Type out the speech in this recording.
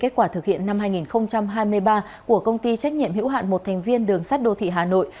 kết quả thực hiện năm hai nghìn hai mươi ba của công ty trách nhiệm hữu hạn một thành viên đường sát đô thị hà nội